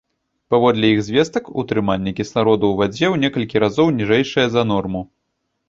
Паводле іх звестак, утрыманне кіслароду ў вадзе ў некалькі разоў ніжэйшае за норму.